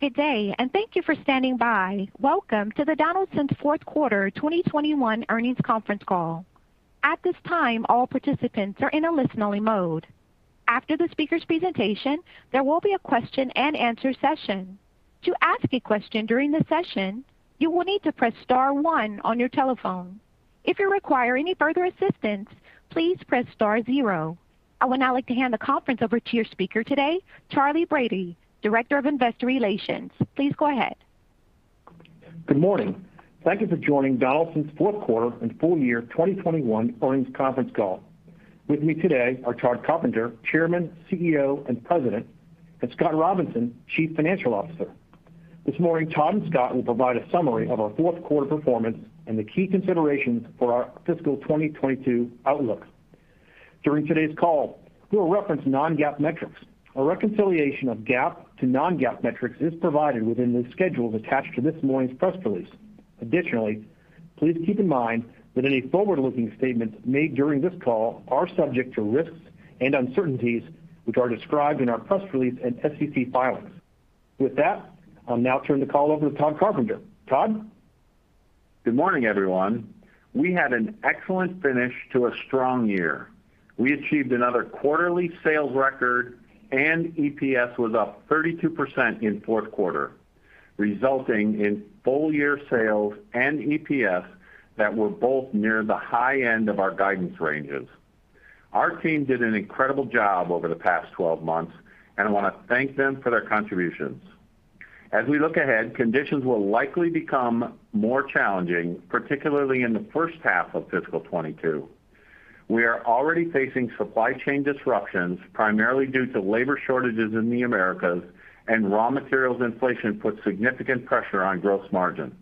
Good day, and thank you for standing by. Welcome to the Donaldson's fourth quarter 2021 earnings conference call. At this time, all participants are in a listen-only mode. After the speaker's presentation, there will be a question-and-answer session. To ask a question during the session, you will need to press star one on your telephone. If you require any further assistance, please press star zero. I would now like to hand the conference over to your speaker today, Charley Brady, Director of Investor Relations. Please go ahead. Good morning. Thank you for joining Donaldson's fourth quarter and full year 2021 earnings conference call. With me today are Tod Carpenter, Chairman, Chief Executive Officer, and President, and Scott Robinson, Chief Financial Officer. This morning, Tod and Scott will provide a summary of our fourth quarter performance and the key considerations for our fiscal 2022 outlook. During today's call, we'll reference non-GAAP metrics. A reconciliation of GAAP to non-GAAP metrics is provided within the schedules attached to this morning's press release. Additionally, please keep in mind that any forward-looking statements made during this call are subject to risks and uncertainties, which are described in our press release and SEC filings. With that, I'll now turn the call over to Tod Carpenter. Tod? Good morning, everyone. We had an excellent finish to a strong year. We achieved another quarterly sales record, EPS was up 32% in fourth quarter, resulting in full-year sales and EPS that were both near the high end of our guidance ranges. Our team did an incredible job over the past 12 months, and I want to thank them for their contributions. As we look ahead, conditions will likely become more challenging, particularly in the first half of fiscal 2022. We are already facing supply chain disruptions, primarily due to labor shortages in the Americas, and raw materials inflation puts significant pressure on gross margin.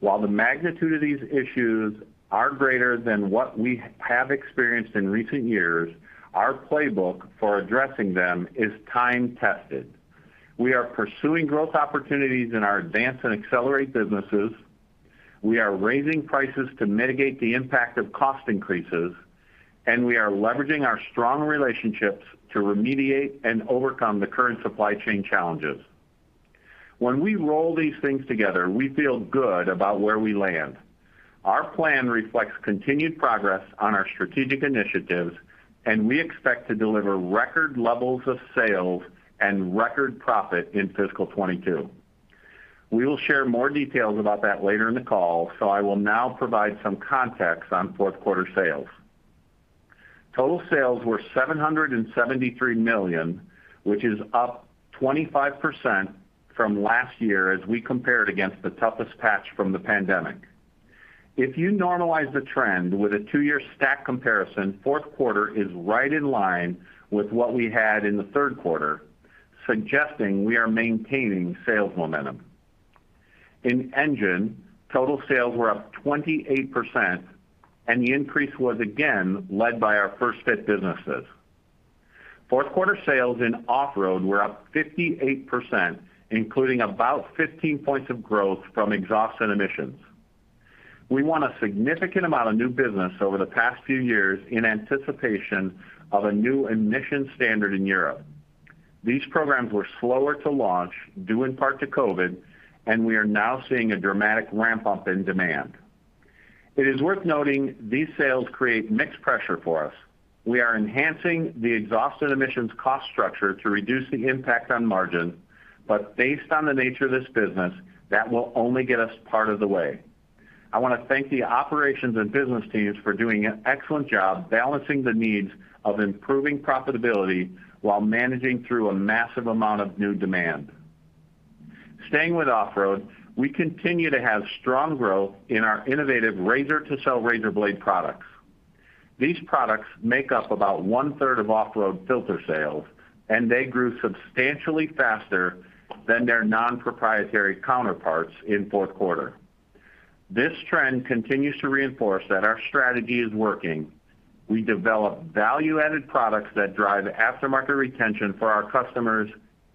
While the magnitude of these issues are greater than what we have experienced in recent years, our playbook for addressing them is time-tested. We are pursuing growth opportunities in our advance and accelerate businesses, we are raising prices to mitigate the impact of cost increases, we are leveraging our strong relationships to remediate and overcome the current supply chain challenges. When we roll these things together, we feel good about where we land. Our plan reflects continued progress on our strategic initiatives, we expect to deliver record levels of sales and record profit in fiscal 2022. We will share more details about that later in the call, I will now provide some context on fourth quarter sales. Total sales were $773 million, which is up 25% from last year as we compared against the toughest patch from the pandemic. If you normalize the trend with a two-year stack comparison, fourth quarter is right in line with what we had in the third quarter, suggesting we are maintaining sales momentum. In engine, total sales were up 28%, and the increase was again led by our first-fit businesses. Fourth quarter sales in off-road were up 58%, including about 15 points of growth from exhaust and emissions. We won a significant amount of new business over the past few years in anticipation of a new emissions standard in Europe. These programs were slower to launch, due in part to COVID, and we are now seeing a dramatic ramp-up in demand. It is worth noting these sales create mix pressure for us. We are enhancing the exhaust and emissions cost structure to reduce the impact on margin, but based on the nature of this business, that will only get us part of the way. I want to thank the operations and business teams for doing an excellent job balancing the needs of improving profitability while managing through a massive amount of new demand. Staying with off-road, we continue to have strong growth in our innovative razor-to-sell razor-blade products. These products make up about 1/3 of off-road filter sales, they grew substantially faster than their non-proprietary counterparts in fourth quarter. This trend continues to reinforce that our strategy is working. We develop value-added products that drive aftermarket retention for our customers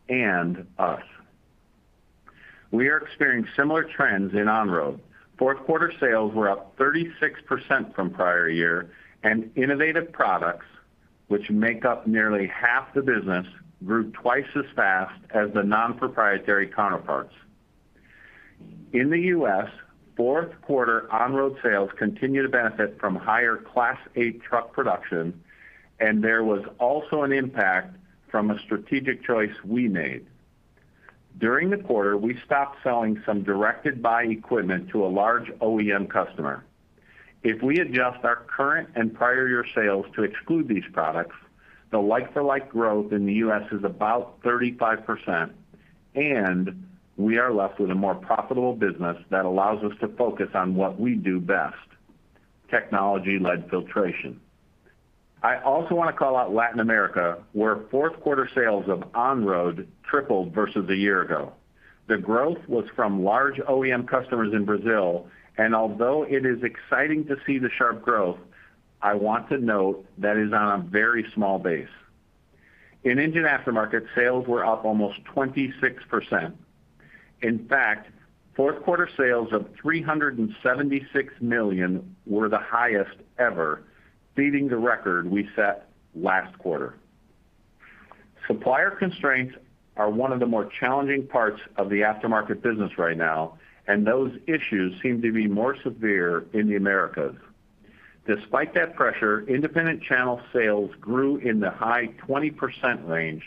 and us. We are experiencing similar trends in on-road. Fourth quarter sales were up 36% from prior year, innovative products, which make up nearly half the business, grew twice as fast as the non-proprietary counterparts. In the U.S., fourth quarter on-road sales continue to benefit from higher Class 8 truck production, there was also an impact from a strategic choice we made. During the quarter, we stopped selling some directed buy equipment to a large OEM customer. If we adjust our current and prior year sales to exclude these products, the like-for-like growth in the US is about 35%, and we are left with a more profitable business that allows us to focus on what we do best, technology-led filtration. I also want to call out Latin America, where fourth quarter sales of on-road tripled versus a year ago. The growth was from large OEM customers in Brazil, and although it is exciting to see the sharp growth, I want to note that is on a very small base. In Engine Aftermarket, sales were up almost 26%. Fourth quarter sales of $376 million were the highest ever, beating the record we set last quarter. Supplier constraints are one of the more challenging parts of the aftermarket business right now, and those issues seem to be more severe in the Americas. Despite that pressure, independent channel sales grew in the high 20% range,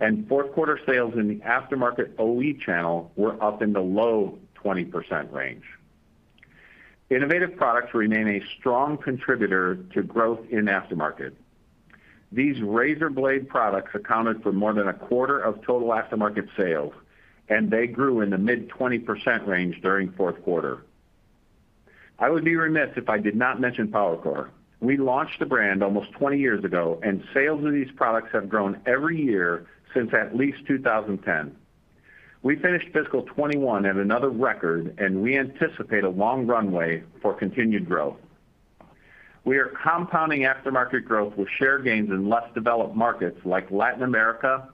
and fourth quarter sales in the aftermarket OE channel were up in the low 20% range. Innovative products remain a strong contributor to growth in aftermarket. These razor blade products accounted for more than 1/4 of total aftermarket sales, and they grew in the mid-20% range during fourth quarter. I would be remiss if I did not mention PowerCore. We launched the brand almost 20 years ago, and sales of these products have grown every year since at least 2010. We finished fiscal 2021 at another record, and we anticipate a long runway for continued growth. We are compounding aftermarket growth with share gains in less-developed markets like Latin America,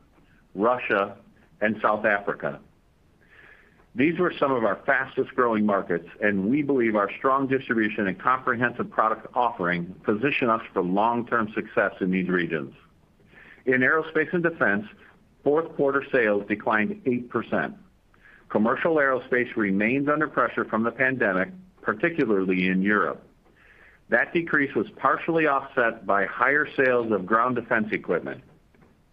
Russia, and South Africa. These were some of our fastest-growing markets, and we believe our strong distribution and comprehensive product offering position us for long-term success in these regions. In Aerospace & Defense, fourth quarter sales declined 8%. Commercial aerospace remains under pressure from the pandemic, particularly in Europe. That decrease was partially offset by higher sales of ground defense equipment.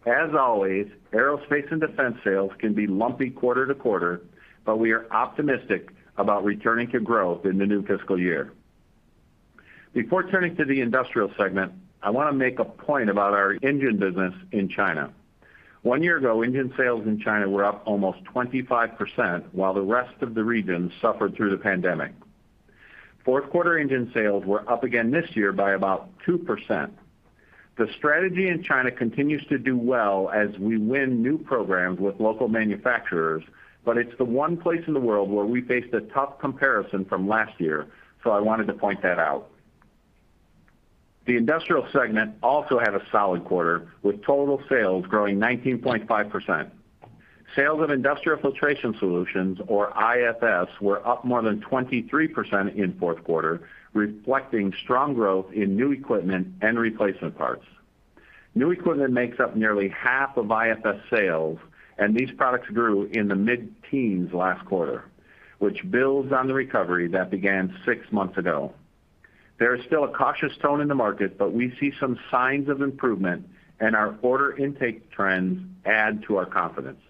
As always, Aerospace & Defense sales can be lumpy quarter-to-quarter, but we are optimistic about returning to growth in the new fiscal year. Before turning to the industrial segment, I want to make a point about our engine business in China. One year ago, engine sales in China were up almost 25%, while the rest of the region suffered through the pandemic. Fourth quarter engine sales were up again this year by about 2%. The strategy in China continues to do well as we win new programs with local manufacturers. It's the one place in the world where we faced a tough comparison from last year, so I wanted to point that out. The industrial segment also had a solid quarter, with total sales growing 19.5%. Sales of Industrial Filtration Solutions, or IFS, were up more than 23% in fourth quarter, reflecting strong growth in new equipment and replacement parts. New equipment makes up nearly half of IFS sales, and these products grew in the mid-teens last quarter, which builds on the recovery that began six months ago. There is still a cautious tone in the market, but we see some signs of improvement, and our order intake trends add to our confidence.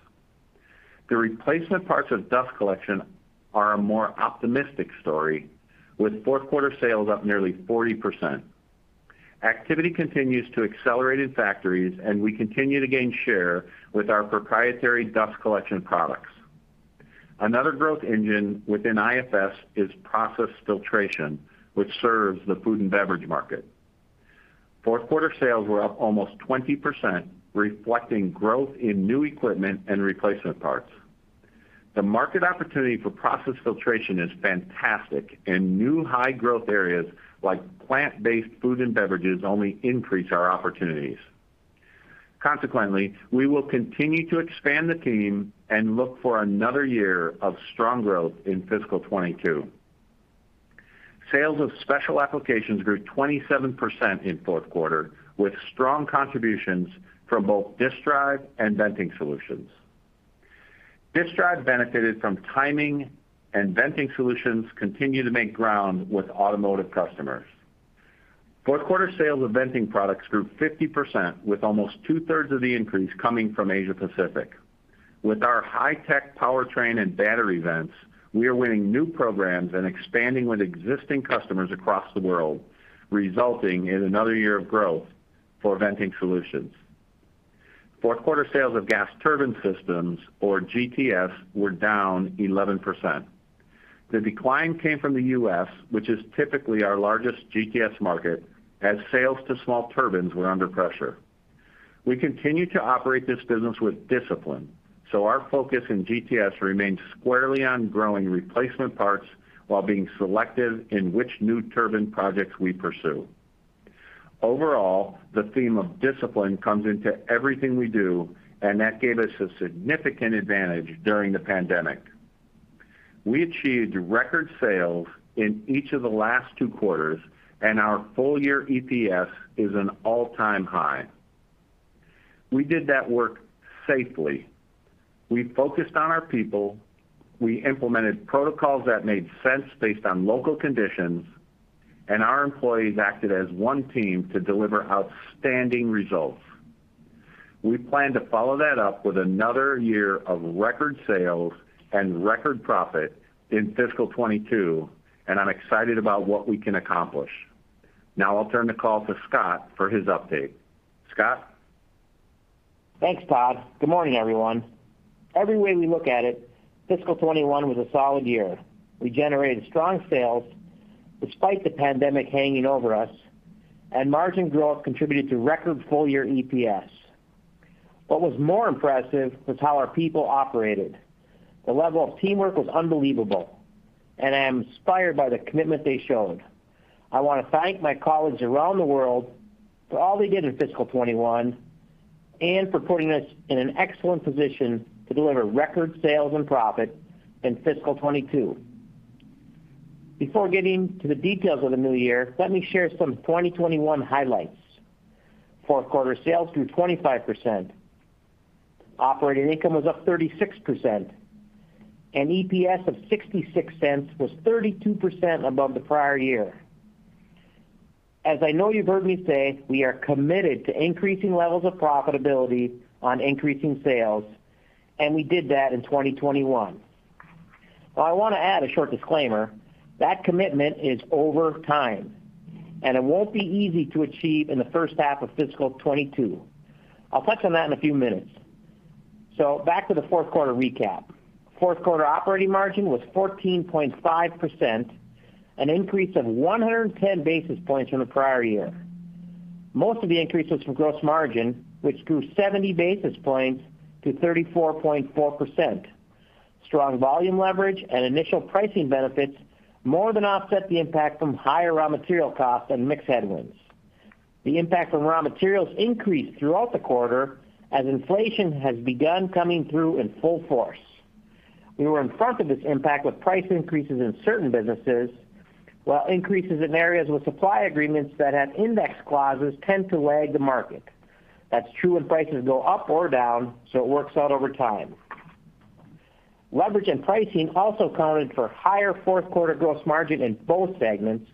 The replacement parts of Dust Collection are a more optimistic story, with fourth-quarter sales up nearly 40%. Activity continues to accelerate in factories. We continue to gain share with our proprietary Dust Collection products. Another growth engine within IFS is Process Filtration, which serves the food and beverage market. Fourth-quarter sales were up almost 20%, reflecting growth in new equipment and replacement parts. The market opportunity for Process Filtration is fantastic. New high-growth areas like plant-based food and beverages only increase our opportunities. Consequently, we will continue to expand the team and look for another year of strong growth in fiscal 2022. Sales of Special Applications grew 27% in fourth quarter, with strong contributions from both Disk Drive and Venting Solutions. Disk Drive benefited from timing. Venting Solutions continue to make ground with automotive customers. Fourth-quarter sales of Venting products grew 50%, with almost two-thirds of the increase coming from Asia-Pacific. With our high-tech powertrain and battery vents, we are winning new programs and expanding with existing customers across the world, resulting in another year of growth for Venting Solutions. Fourth-quarter sales of Gas Turbine Systems, or GTS, were down 11%. The decline came from the U.S., which is typically our largest GTS market, as sales to small turbines were under pressure. Our focus in GTS remains squarely on growing replacement parts while being selective in which new turbine projects we pursue. Overall, the theme of discipline comes into everything we do, and that gave us a significant advantage during the pandemic. We achieved record sales in each of the last two quarters, and our full-year EPS is an all-time high. We did that work safely. We focused on our people, we implemented protocols that made sense based on local conditions, and our employees acted as one team to deliver outstanding results. We plan to follow that up with another year of record sales and record profit in fiscal 2022, and I'm excited about what we can accomplish. Now I'll turn the call to Scott for his update. Scott? Thanks, Tod. Good morning, everyone. Every way we look at it, fiscal 2021 was a solid year. We generated strong sales despite the pandemic hanging over us. Margin growth contributed to record full-year EPS. What was more impressive was how our people operated. The level of teamwork was unbelievable, and I am inspired by the commitment they showed. I want to thank my colleagues around the world for all they did in fiscal 2021. For putting us in an excellent position to deliver record sales and profit in fiscal 2022. Before getting to the details of the new year, let me share some 2021 highlights. Fourth quarter sales grew 25%, operating income was up 36%, and EPS of $0.66 was 32% above the prior year. As I know you've heard me say, we are committed to increasing levels of profitability on increasing sales, and we did that in 2021. I want to add a short disclaimer. That commitment is over time, and it won't be easy to achieve in the first half of fiscal 2022. I'll touch on that in a few minutes. Back to the fourth quarter recap. Fourth quarter operating margin was 14.5%, an increase of 110 basis points from the prior year. Most of the increase was from gross margin, which grew 70 basis points to 34.4%. Strong volume leverage and initial pricing benefits more than offset the impact from higher raw material costs and mix headwinds. The impact from raw materials increased throughout the quarter as inflation has begun coming through in full force. We were in front of this impact with price increases in certain businesses, while increases in areas with supply agreements that have index clauses tend to lag the market. That's true when prices go up or down, it works out over time. Leverage and pricing also accounted for higher fourth quarter gross margin in both segments.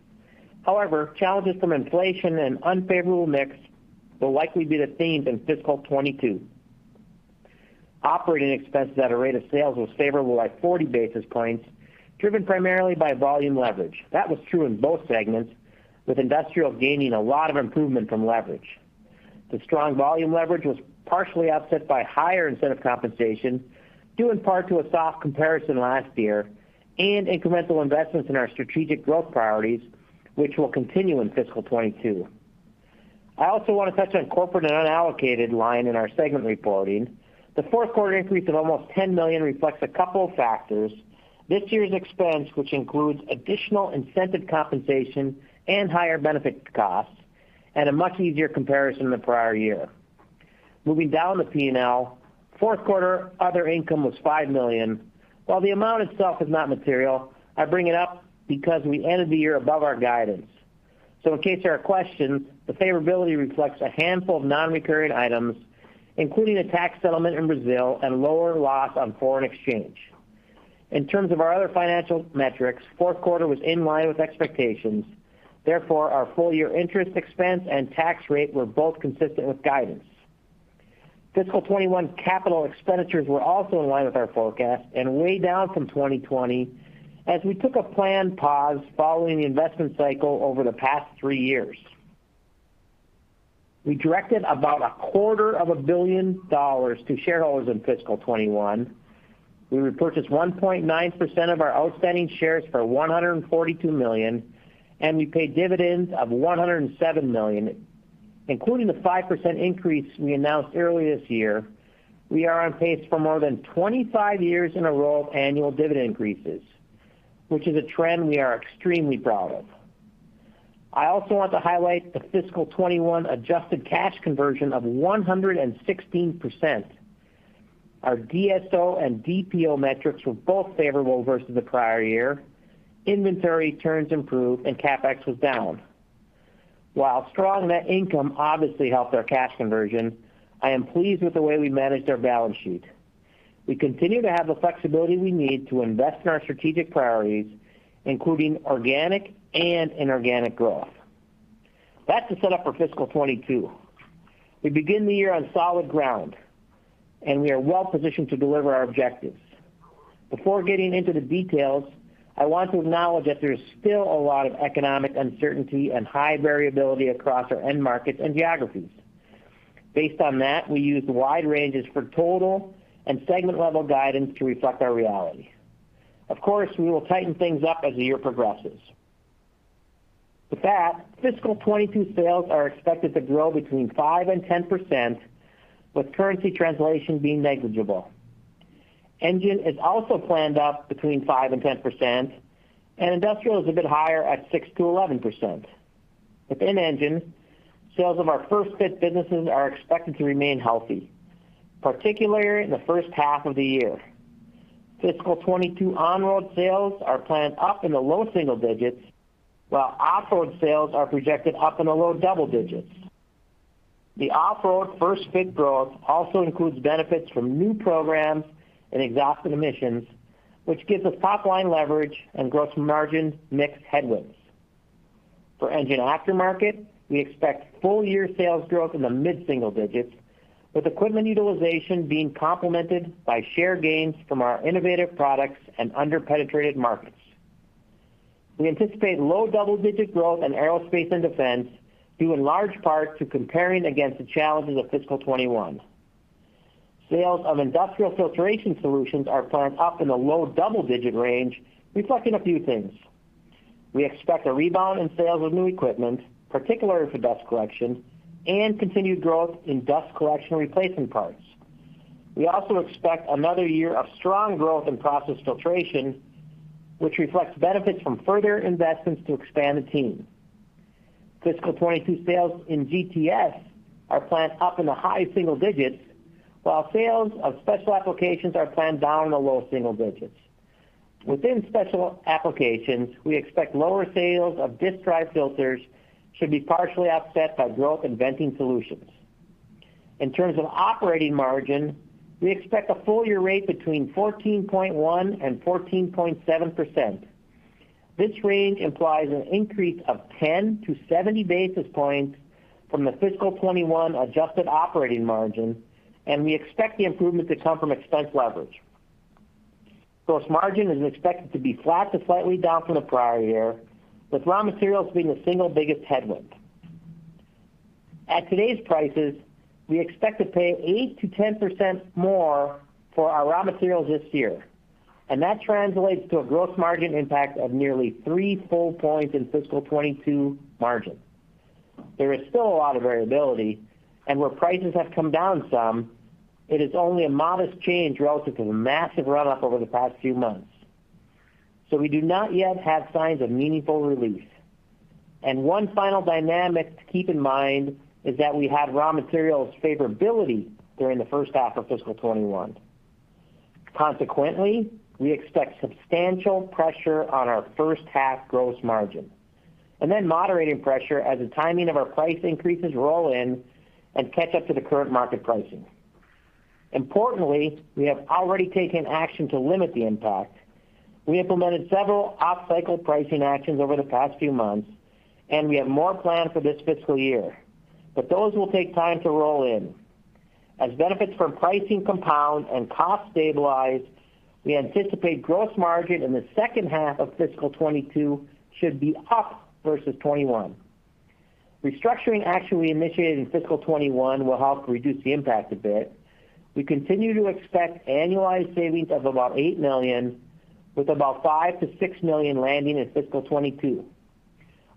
Challenges from inflation and unfavorable mix will likely be the themes in fiscal 2022. Operating expenses at a rate of sales was favorable by 40 basis points, driven primarily by volume leverage. That was true in both segments, with Industrial gaining a lot of improvement from leverage. The strong volume leverage was partially offset by higher incentive compensation, due in part to a soft comparison last year, and incremental investments in our strategic growth priorities, which will continue in fiscal 2022. I also want to touch on corporate and unallocated line in our segment reporting. The fourth quarter increase of almost $10 million reflects a couple of factors, this year's expense, which includes additional incentive compensation and higher benefit costs, and a much easier comparison to the prior year. Moving down the P&L, fourth quarter other income was $5 million. While the amount itself is not material, I bring it up because we ended the year above our guidance. In case there are questions, the favorability reflects a handful of non-recurring items, including a tax settlement in Brazil and lower loss on foreign exchange. In terms of our other financial metrics, fourth quarter was in line with expectations. Our full-year interest expense and tax rate were both consistent with guidance. Fiscal 2021 capital expenditures were also in line with our forecast and way down from 2020 as we took a planned pause following the investment cycle over the past three years. We directed about $250 million to shareholders in Fiscal 2021. We repurchased 1.9% of our outstanding shares for $142 million, and we paid dividends of $107 million. Including the 5% increase we announced earlier this year, we are on pace for more than 25 years in a row of annual dividend increases, which is a trend we are extremely proud of. I also want to highlight the Fiscal 2021 adjusted cash conversion of 116%. Our DSO and DPO metrics were both favorable versus the prior year. Inventory turns improved and CapEx was down. While strong net income obviously helped our cash conversion, I am pleased with the way we managed our balance sheet. We continue to have the flexibility we need to invest in our strategic priorities, including organic and inorganic growth. That's the setup for fiscal 2022. We begin the year on solid ground, and we are well positioned to deliver our objectives. Before getting into the details, I want to acknowledge that there's still a lot of economic uncertainty and high variability across our end markets and geographies. Based on that, we used wide ranges for total and segment-level guidance to reflect our reality. Of course, we will tighten things up as the year progresses. With that, fiscal 2022 sales are expected to grow between 5% and 10%, with currency translation being negligible. Engine is also planned up between 5% and 10%, and Industrial is a bit higher at 6%-11%. Within Engine, sales of our first-fit businesses are expected to remain healthy, particularly in the first half of the year. Fiscal 2022 on-road sales are planned up in the low single digits, while off-road sales are projected up in the low double digits. The off-road first-fit growth also includes benefits from new programs and exhaust emissions, which gives us top-line leverage on gross margin mix headwinds. For Engine Aftermarket, we expect full-year sales growth in the mid-single digits, with equipment utilization being complemented by share gains from our innovative products and under-penetrated markets. We anticipate low double-digit growth in Aerospace & Defense, due in large part to comparing against the challenges of fiscal 2021. Sales of Industrial Filtration Solutions are planned up in the low double-digit range, reflecting a few things. We expect a rebound in sales of new equipment, particularly for Dust Collection, and continued growth in Dust Collection replacement parts. We also expect another year of strong growth in Process Filtration, which reflects benefits from further investments to expand the team. Fiscal 2022 sales in GTS are planned up in the high single digits, while sales of Special Applications are planned down in the low single digits. Within Special Applications, we expect lower sales of Disk Drive filters should be partially offset by growth in Venting Solutions. In terms of operating margin, we expect a full year rate between 14.1% and 14.7%. This range implies an increase of 10-70 basis points from the Fiscal 2021 adjusted operating margin. We expect the improvement to come from expense leverage. Gross margin is expected to be flat to slightly down from the prior year, with raw materials being the single biggest headwind. At today's prices, we expect to pay 8%-10% more for our raw materials this year. That translates to a gross margin impact of nearly three full points in fiscal 2022 margin. There is still a lot of variability, and where prices have come down some, it is only a modest change relative to the massive run-up over the past few months. We do not yet have signs of meaningful relief. One final dynamic to keep in mind is that we had raw materials favorability during the first half of fiscal 2021. Consequently, we expect substantial pressure on our first half gross margin, and then moderating pressure as the timing of our price increases roll in and catch up to the current market pricing. Importantly, we have already taken action to limit the impact. We implemented several off-cycle pricing actions over the past few months, and we have more planned for this fiscal year, but those will take time to roll in. As benefits from pricing compound and costs stabilize, we anticipate gross margin in the second half of fiscal 2022 should be up versus 2021. Restructuring action we initiated in fiscal 2021 will help reduce the impact a bit. We continue to expect annualized savings of about $8 million, with about $5 million-$6 million landing in fiscal 2022.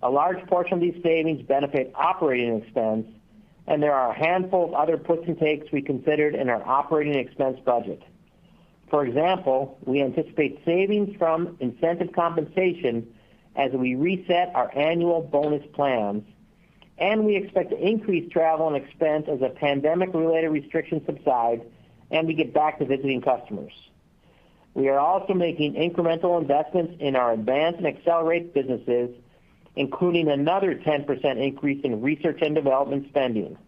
A large portion of these savings benefit operating expense, and there are a handful of other puts and takes we considered in our operating expense budget. For example, we anticipate savings from incentive compensation as we reset our annual bonus plans. We expect increased travel and expense as the pandemic-related restrictions subside and we get back to visiting customers. We are also making incremental investments in our advance and accelerate businesses, including another 10% increase in research and development spending.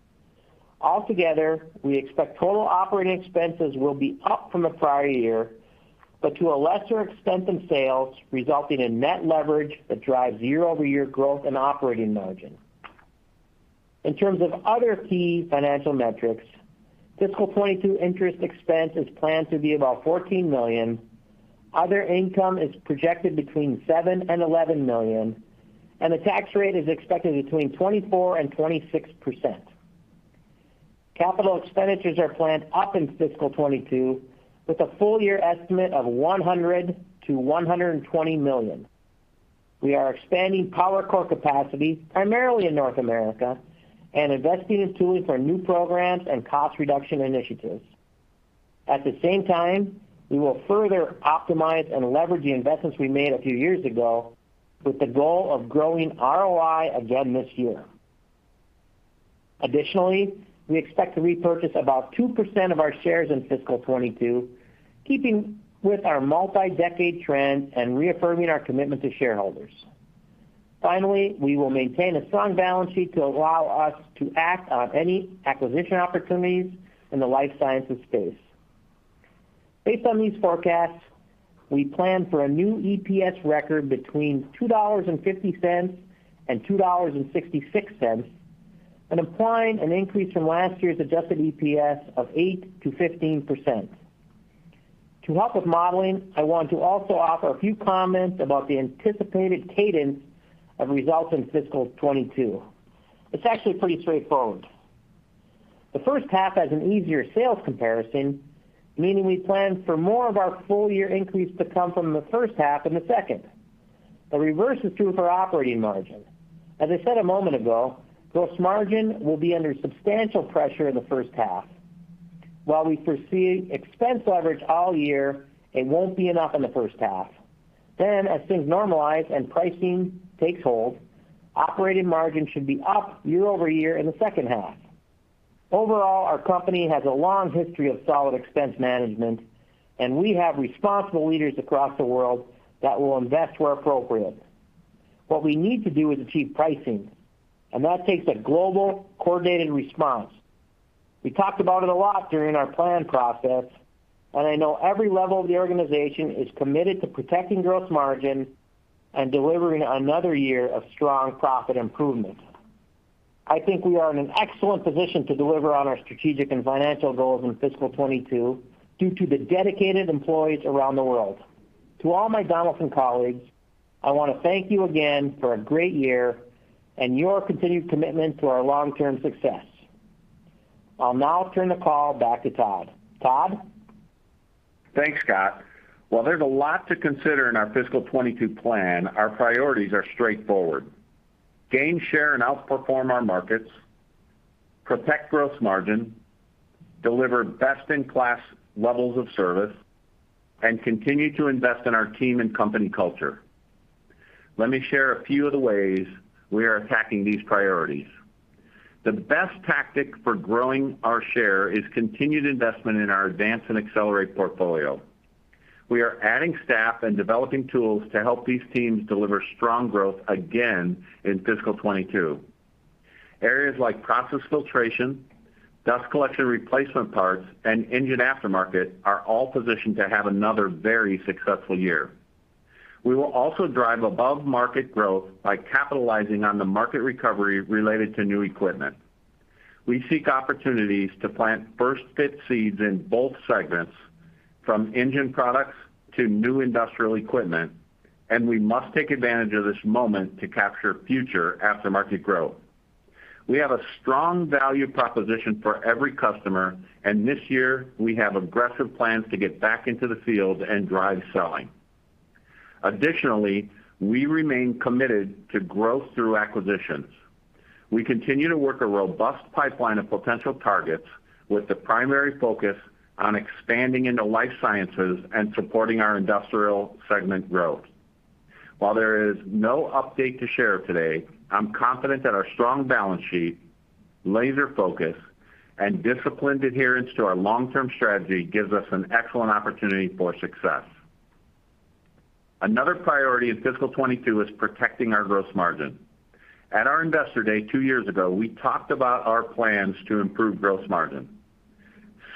Altogether, we expect total operating expenses will be up from the prior year, but to a lesser extent than sales, resulting in net leverage that drives YoY growth and operating margin. In terms of other key financial metrics, fiscal 2022 interest expense is planned to be about $14 million. Other income is projected between $7 million and $11 million. The tax rate is expected between 24%-26%. Capital expenditures are planned up in fiscal 2022 with a full year estimate of $100 million-$120 million. We are expanding PowerCore capacity, primarily in North America, and investing in tools for new programs and cost reduction initiatives. At the same time, we will further optimize and leverage the investments we made a few years ago with the goal of growing ROI again this year. Additionally, we expect to repurchase about 2% of our shares in fiscal 2022, keeping with our multi-decade trend and reaffirming our commitment to shareholders. Finally, we will maintain a strong balance sheet to allow us to act on any acquisition opportunities in the life sciences space. Based on these forecasts, we plan for a new EPS record between $2.50 and $2.66, and implying an increase from last year's adjusted EPS of 8%-15%. To help with modeling, I want to also offer a few comments about the anticipated cadence of results in fiscal 2022. It's actually pretty straightforward. The first half has an easier sales comparison, meaning we plan for more of our full year increase to come from the first half than the second. The reverse is true for operating margin. As I said a moment ago, gross margin will be under substantial pressure in the first half. While we foresee expense leverage all year, it won't be enough in the first half. As things normalize and pricing takes hold, operating margin should be up YoY in the second half. Overall, our company has a long history of solid expense management, and we have responsible leaders across the world that will invest where appropriate. What we need to do is achieve pricing, and that takes a global, coordinated response. We talked about it a lot during our plan process, and I know every level of the organization is committed to protecting gross margin and delivering another year of strong profit improvement. I think we are in an excellent position to deliver on our strategic and financial goals in fiscal 2022, due to the dedicated employees around the world. To all my Donaldson colleagues, I want to thank you again for a great year and your continued commitment to our long-term success. I'll now turn the call back to Tod. Tod? Thanks, Scott. While there's a lot to consider in our fiscal 2022 plan, our priorities are straightforward: gain share and outperform our markets, protect gross margin, deliver best-in-class levels of service, and continue to invest in our team and company culture. Let me share a few of the ways we are attacking these priorities. The best tactic for growing our share is continued investment in our advance and accelerate portfolio. We are adding staff and developing tools to help these teams deliver strong growth again in fiscal 2022. Areas like Process Filtration, Dust Collection replacement parts, and Engine Aftermarket are all positioned to have another very successful year. We will also drive above-market growth by capitalizing on the market recovery related to new equipment. We seek opportunities to plant first-fit seeds in both segments, from engine products to new industrial equipment, and we must take advantage of this moment to capture future aftermarket growth. We have a strong value proposition for every customer, and this year, we have aggressive plans to get back into the field and drive selling. Additionally, we remain committed to growth through acquisitions. We continue to work a robust pipeline of potential targets with the primary focus on expanding into life sciences and supporting our industrial segment growth. While there is no update to share today, I'm confident that our strong balance sheet, laser focus, and disciplined adherence to our long-term strategy gives us an excellent opportunity for success. Another priority in fiscal 2022 is protecting our gross margin. At our Investor Day two years ago, we talked about our plans to improve gross margin.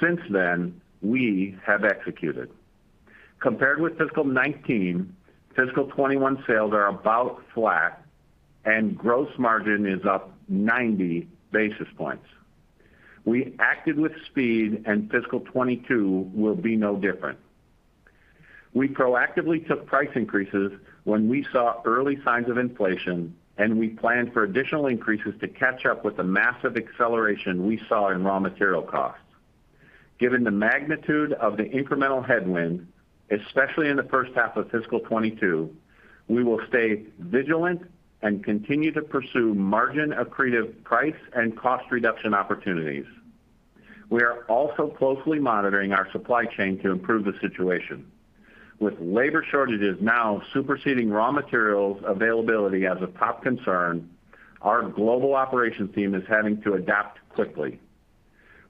Since then, we have executed. Compared with fiscal 2019, fiscal 2021 sales are about flat, and gross margin is up 90 basis points. We acted with speed, and fiscal 2022 will be no different. We proactively took price increases when we saw early signs of inflation, and we planned for additional increases to catch up with the massive acceleration we saw in raw material costs. Given the magnitude of the incremental headwind, especially in the first half of fiscal 2022, we will stay vigilant and continue to pursue margin-accretive price and cost reduction opportunities. We are also closely monitoring our supply chain to improve the situation. With labor shortages now superseding raw materials availability as a top concern, our global operations team is having to adapt quickly.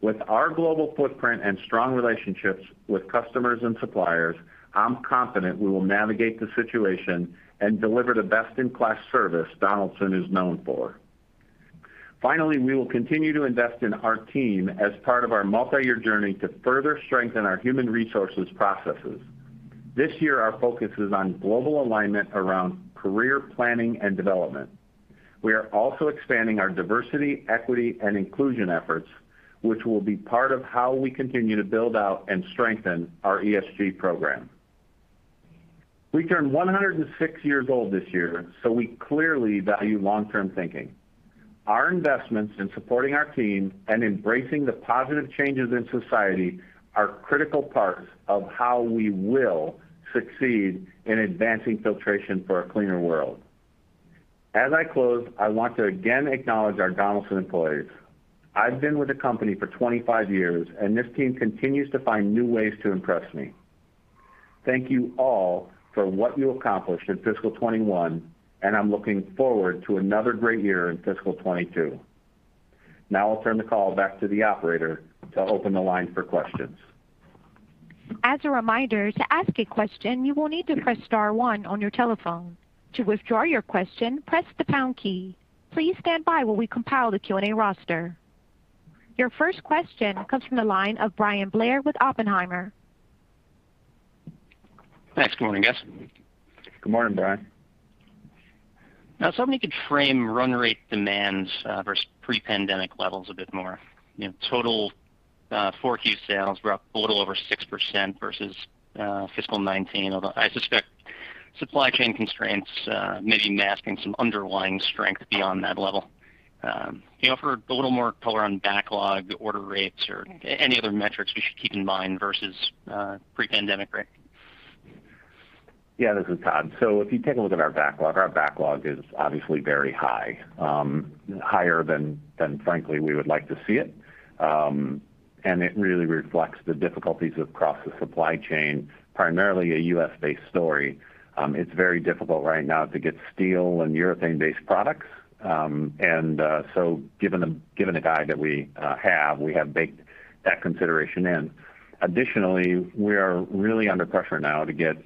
With our global footprint and strong relationships with customers and suppliers, I'm confident we will navigate the situation and deliver the best-in-class service Donaldson is known for. We will continue to invest in our team as part of our multi-year journey to further strengthen our human resources processes. This year, our focus is on global alignment around career planning and development. We are also expanding our Diversity, Equity, and Inclusion efforts, which will be part of how we continue to build out and strengthen our ESG program. We turn 106 years old this year, so we clearly value long-term thinking. Our investments in supporting our team and embracing the positive changes in society are critical parts of how we will succeed in advancing filtration for a cleaner world. As I close, I want to again acknowledge our Donaldson employees. I've been with the company for 25 years, and this team continues to find new ways to impress me. Thank you all for what you accomplished in fiscal 2021, and I'm looking forward to another great year in fiscal 2022. Now I'll turn the call back to the operator to open the line for questions. As a reminder, to ask a question, you will need to press star one on your telephone. To withdraw your question, press the pound key. Please stand by while we compile the Q&A roster. Your first question comes from the line of Bryan Blair with Oppenheimer. Thanks. Morning, guys. Good morning, Bryan. Now, if somebody could frame run rate demands versus pre-pandemic levels a bit more. Total 4Q sales were up a little over 6% versus fiscal 2019, although I suspect supply chain constraints may be masking some underlying strength beyond that level. Can you offer a little more color on backlog, order rates, or any other metrics we should keep in mind versus pre-pandemic rate? Yeah, this is Tod. If you take a look at our backlog, our backlog is obviously very high. Higher than frankly we would like to see it. It really reflects the difficulties across the supply chain, primarily a U.S.-based story. It's very difficult right now to get steel and urethane-based products. Given the guide that we have, we have baked that consideration in. Additionally, we are really under pressure now to get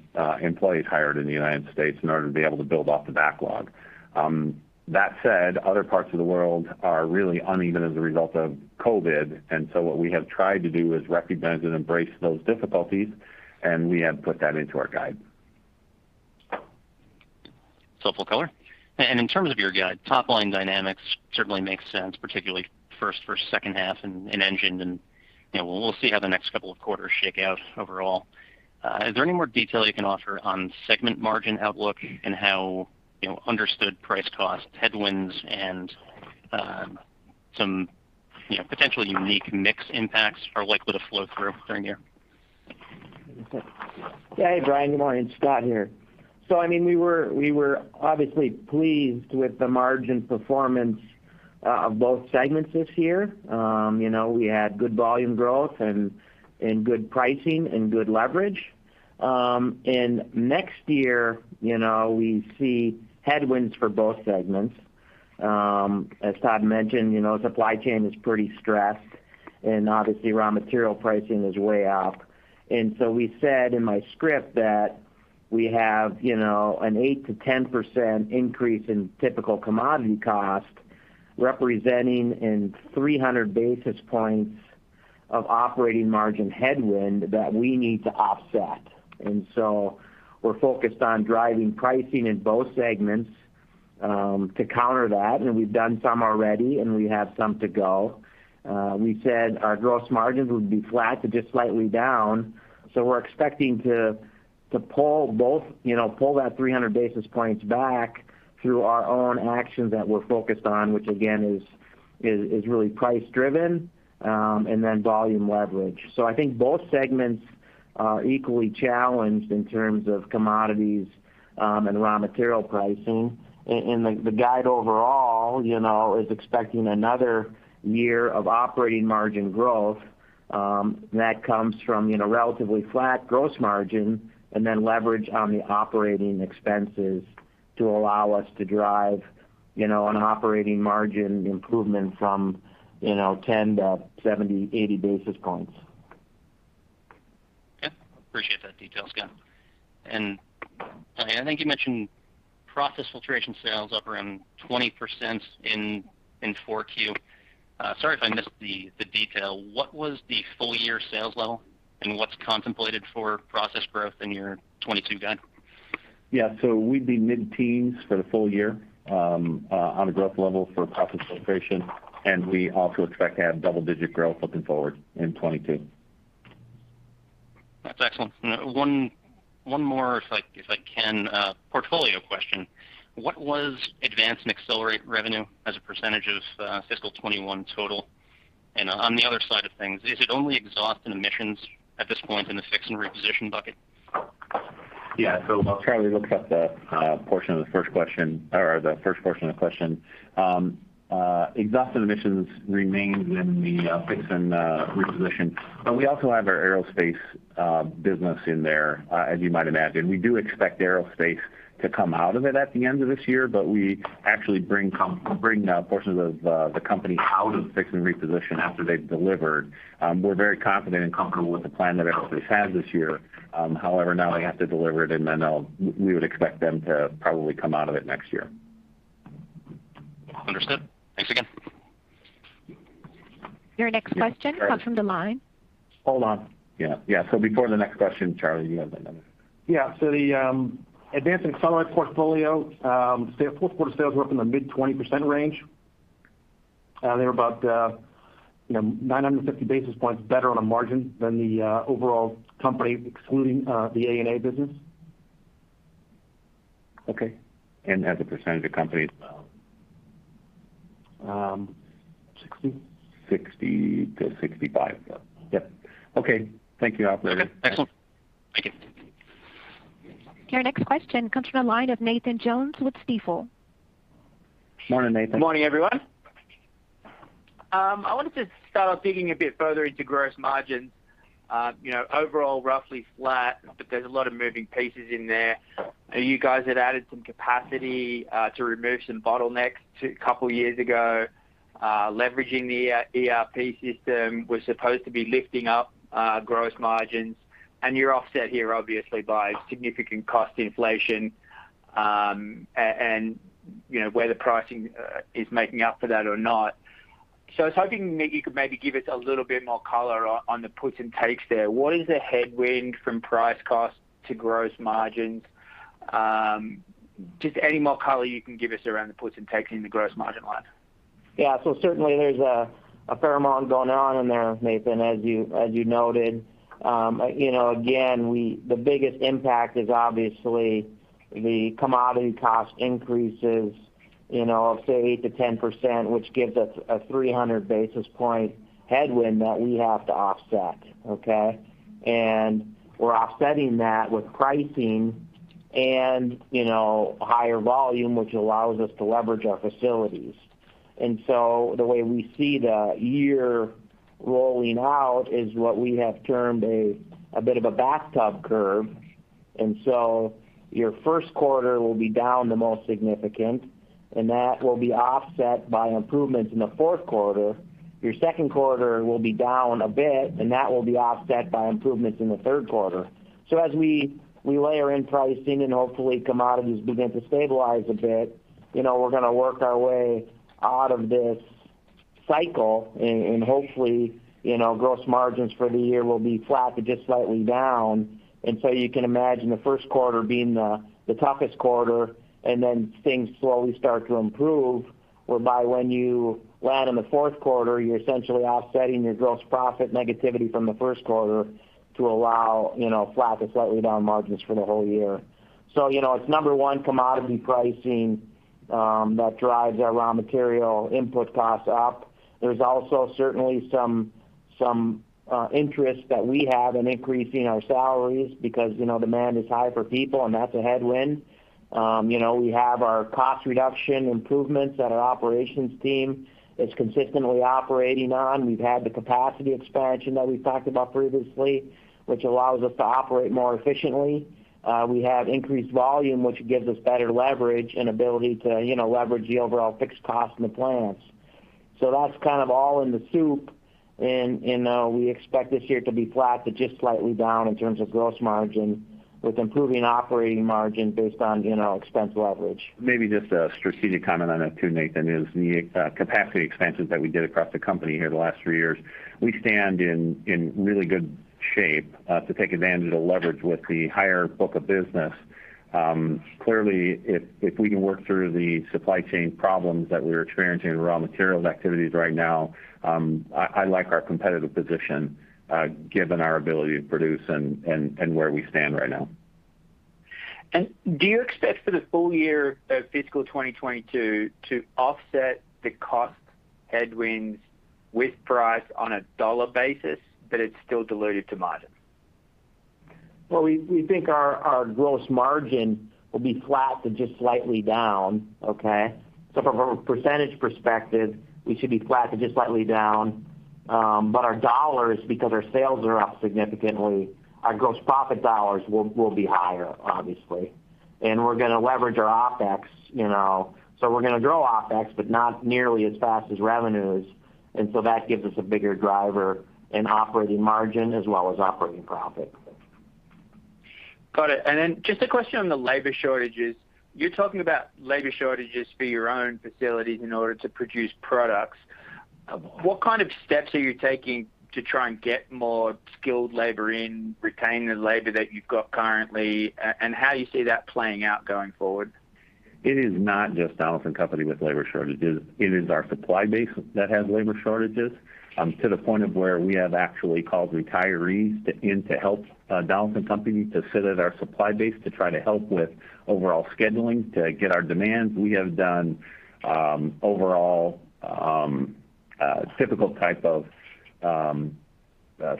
employees hired in the United States in order to be able to build off the backlog. That said, other parts of the world are really uneven as a result of COVID, and so what we have tried to do is recognize and embrace those difficulties, and we have put that into our guide. It's helpful color. In terms of your guide, top-line dynamics certainly makes sense, particularly first, second half in engines, and we'll see how the next couple of quarters shake out overall. Is there any more detail you can offer on segment margin outlook and how understood price costs, headwinds, and some potential unique mix impacts are likely to flow through during the year? Yeah. Hey, Bryan. Good morning. It's Scott here. We were obviously pleased with the margin performance of both segments this year. We had good volume growth and good pricing and good leverage. Next year, we see headwinds for both segments. As Tod mentioned, supply chain is pretty stressed and obviously raw material pricing is way up. We said in my script that we have an 8%-10% increase in typical commodity cost, representing in 300 basis points of operating margin headwind that we need to offset. We're focused on driving pricing in both segments to counter that, and we've done some already, and we have some to go. We said our gross margins would be flat to just slightly down, so we're expecting to pull that 300 basis points back through our own actions that we're focused on, which again is really price-driven, and then volume leverage. I think both segments are equally challenged in terms of commodities and raw material pricing. The guide overall is expecting another year of operating margin growth. That comes from relatively flat gross margin and then leverage on the operating expenses to allow us to drive an operating margin improvement from 10-70, 80 basis points. Okay. Appreciate that detail, Scott. I think you mentioned Process Filtration sales up around 20% in 4Q. Sorry if I missed the detail. What was the full year sales level and what's contemplated for Process growth in your 2022, then? Yeah. We'd be mid-teens for the full year on a growth level for Process Filtration, and we also expect to have double-digit growth looking forward in 2022. That's excellent. One more, if I can, portfolio question. What was advance and accelerate revenue as a percentage of fiscal 2021 total? On the other side of things, is it only exhaust and emissions at this point in the fix and reposition bucket? I'll try to look up the first portion of the question. Exhaust and emissions remains in the fix and reposition, but we also have our Aerospace business in there, as you might imagine. We do expect Aerospace to come out of it at the end of this year, but we actually bring portions of the company out of fix and reposition after they've delivered. We're very confident and comfortable with the plan that Aerospace has this year. However, now they have to deliver it and then we would expect them to probably come out of it next year. Understood. Thanks again. Your next question comes from the line. Hold on. Yeah. Before the next question, Charley, you have that number. Yeah. The advance and accelerate portfolio, fourth quarter sales were up in the mid-20% range. They were about 950 basis points better on a margin than the overall company, excluding the A&A business. Okay. As a percentage of company as well. 60%. 60%-65%. Yeah. Okay. Thank you. Very good. Excellent. Thank you. Your next question comes from the line of Nathan Jones with Stifel. Morning, Nathan. Morning, everyone. I wanted to start off digging a bit further into gross margins. Overall roughly flat, but there's a lot of moving pieces in there. You guys had added some capacity to remove some bottlenecks two couple years ago. Leveraging the ERP system was supposed to be lifting up gross margins, and you're offset here obviously by significant cost inflation, and whether pricing is making up for that or not. I was hoping you could maybe give us a little bit more color on the puts and takes there. What is the headwind from price cost to gross margins? Just any more color you can give us around the puts and takes in the gross margin line. Yeah. Certainly there's a fair amount going on in there, Nathan, as you noted. Again, the biggest impact is obviously the commodity cost increases of say 8%-10%, which gives us a 300 basis point headwind that we have to offset. Okay. We're offsetting that with pricing and higher volume, which allows us to leverage our facilities. The way we see the year rolling out is what we have termed a bit of a bathtub curve. Your first quarter will be down the most significant, and that will be offset by improvements in the fourth quarter. Your second quarter will be down a bit, and that will be offset by improvements in the third quarter. As we layer in pricing and hopefully commodities begin to stabilize a bit, we're going to work our way out of this cycle and hopefully gross margins for the year will be flat to just slightly down. You can imagine the first quarter being the toughest quarter, and then things slowly start to improve, whereby when you land in the fourth quarter, you're essentially offsetting your gross profit negativity from the first quarter to allow flat to slightly down margins for the whole year. It's number one commodity pricing that drives our raw material input costs up. There's also certainly some interest that we have in increasing our salaries because demand is high for people, and that's a headwind. We have our cost reduction improvements that our operations team is consistently operating on. We've had the capacity expansion that we've talked about previously, which allows us to operate more efficiently. We have increased volume, which gives us better leverage and ability to leverage the overall fixed cost in the plants. That's kind of all in the soup, and we expect this year to be flat to just slightly down in terms of gross margin with improving operating margin based on expense leverage. Maybe just a strategic comment on that too, Nathan. Is the capacity expansions that we did across the company here the last three years, we stand in really good shape to take advantage of the leverage with the higher book of business. Clearly, if we can work through the supply chain problems that we're experiencing in raw materials activities right now, I like our competitive position given our ability to produce and where we stand right now. Do you expect for the full year of fiscal 2022 to offset the cost headwinds with price on a dollar basis, but it's still diluted to margin? Well, we think our gross margin will be flat to just slightly down. Okay? From a percentage perspective, we should be flat to just slightly down. Our dollars, because our sales are up significantly, our gross profit dollars will be higher, obviously. We're going to leverage our OPEX. We're going to grow OPEX, but not nearly as fast as revenues. That gives us a bigger driver in operating margin as well as operating profit. Got it. Then just a question on the labor shortages. You're talking about labor shortages for your own facilities in order to produce products. What kind of steps are you taking to try and get more skilled labor in, retain the labor that you've got currently, and how do you see that playing out going forward? It is not just Donaldson Company with labor shortages. It is our supply base that has labor shortages, to the point of where we have actually called retirees in to help Donaldson Company to sit at our supply base to try to help with overall scheduling to get our demands. We have done overall typical type of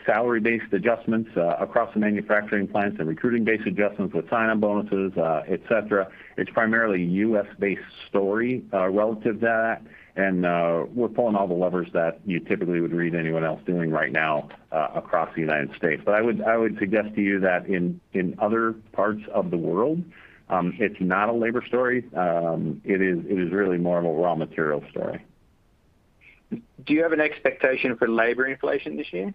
salary-based adjustments across the manufacturing plants and recruiting-based adjustments with sign-on bonuses, et cetera. It's primarily a U.S.-based story relative to that. We're pulling all the levers that you typically would read anyone else doing right now across the United States. I would suggest to you that in other parts of the world, it's not a labor story. It is really more of a raw material story. Do you have an expectation for labor inflation this year?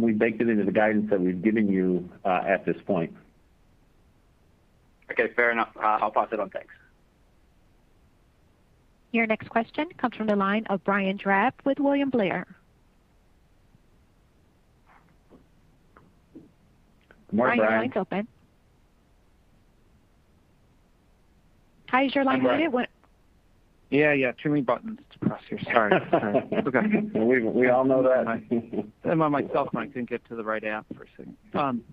We baked it into the guidance that we've given you at this point. Okay, fair enough. I'll pass it on. Thanks. Your next question comes from the line of Brian Drab with William Blair. Morning, Brian. Brian, your line's open. How is your line, Brian? I'm good. Yeah. Too many buttons to press here. Sorry. We all know that. I'm on my cellphone. I couldn't get to the right app for a second.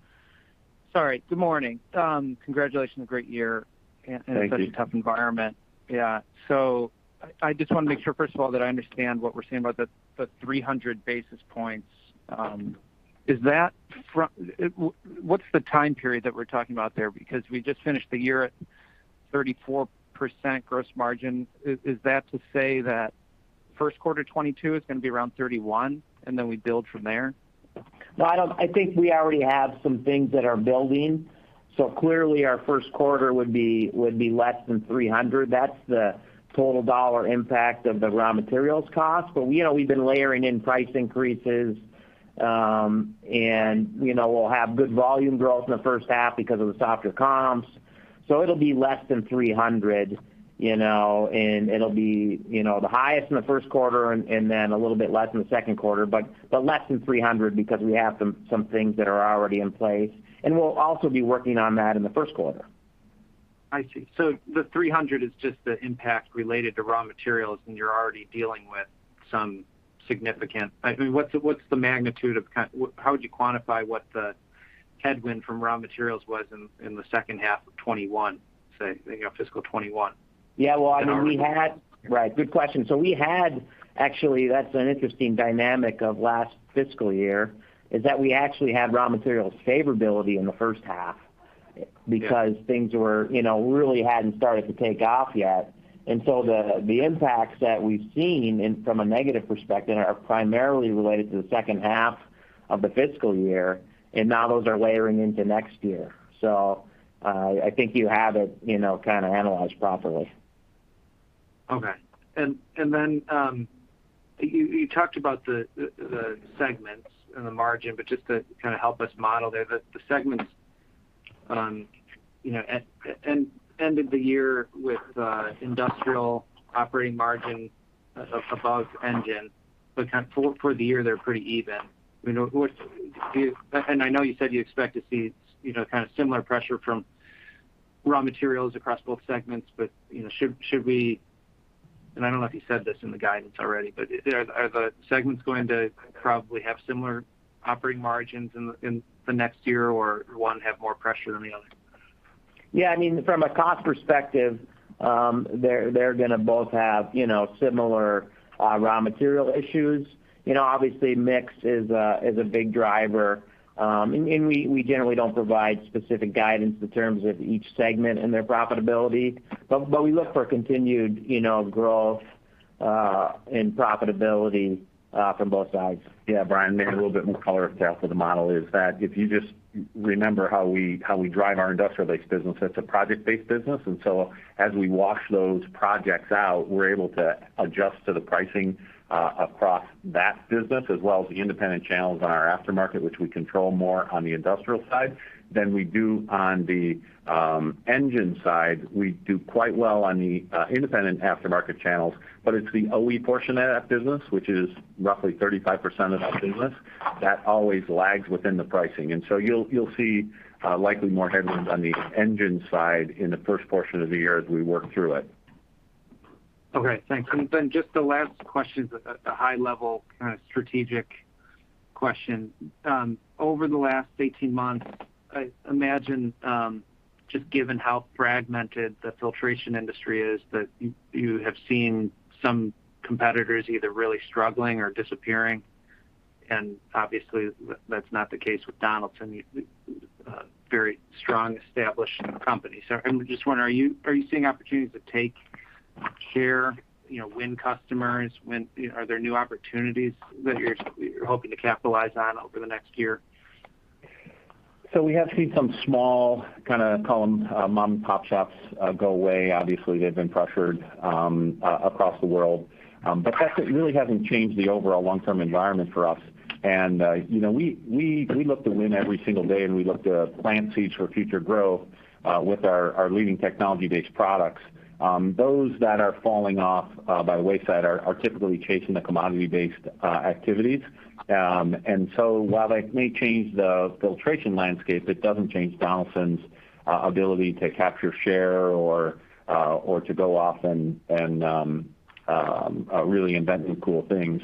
Sorry. Good morning. Congratulations. Thank you. Great year in such a tough environment. Yeah. I just want to make sure, first of all, that I understand what we're saying about the 300 basis points. What's the time period that we're talking about there? We just finished the year at 34% gross margin. Is that to say that first quarter 2022 is going to be around 31%, and then we build from there? No, I think we already have some things that are building. Clearly our first quarter would be less than $300. That's the total dollar impact of the raw materials cost. We've been layering in price increases. We'll have good volume growth in the first half because of the softer comps. It'll be less than $300, and it'll be the highest in the first quarter and then a little bit less in the second quarter. Less than $300 because we have some things that are already in place, and we'll also be working on that in the first quarter. I see. The $300 is just the impact related to raw materials. I mean, how would you quantify what the headwind from raw materials was in the second half of 2021, say, fiscal 2021? Yeah. Well, I mean, Right. Good question. Actually, that's an interesting dynamic of last fiscal year, is that we actually had raw materials favorability in the first half because things really hadn't started to take off yet. The impacts that we've seen from a negative perspective are primarily related to the second half of the fiscal year, and now those are layering into next year. I think you have it kind of analyzed properly. Okay. Then you talked about the segments and the margin, but just to kind of help us model there, the segments ended the year with Industrial operating margin above Engine, but for the year, they're pretty even. I know you said you expect to see kind of similar pressure from raw materials across both segments, but should we? I don't know if you said this in the guidance already, but are the segments going to probably have similar operating margins in the next year, or one have more pressure than the other? Yeah. From a cost perspective, they're going to both have similar raw material issues. Obviously, mix is a big driver. We generally don't provide specific guidance in terms of each segment and their profitability. We look for continued growth and profitability from both sides. Yeah, Brian, maybe a little bit more color there for the model is that if you just remember how we drive our industrial-based business, it's a project-based business. As we wash those projects out, we're able to adjust to the pricing across that business as well as the independent channels on our aftermarket, which we control more on the industrial side than we do on the engine side. It's the OE portion of that business, which is roughly 35% of our business, that always lags within the pricing. You'll see likely more headwinds on the engine side in the first portion of the year as we work through it. Okay, thanks. Then just the last question's a high level kind of strategic question? Over the last 18 months, I imagine, just given how fragmented the filtration industry is, that you have seen some competitors either really struggling or disappearing, and obviously that's not the case with Donaldson. You're a very strong, established company. I just wonder, are you seeing opportunities to take share, win customers? Are there new opportunities that you're hoping to capitalize on over the next year? We have seen some small kind of call them mom-and-pop shops go away. Obviously, they've been pressured across the world. That really hasn't changed the overall long-term environment for us. We look to win every single day, and we look to plant seeds for future growth with our leading technology-based products. Those that are falling off by the wayside are typically chasing the commodity-based activities. While that may change the filtration landscape, it doesn't change Donaldson's ability to capture share or to go off and really invent new cool things,